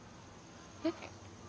えっ？